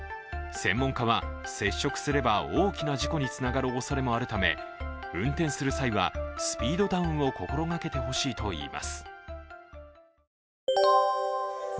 専門家は接触すれば大きな事故につながるおそれもあるため運転する際はスピードダウンを心がけてほしいといいます。